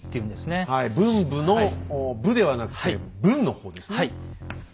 文武の「武」ではなくて「文」の方ですね。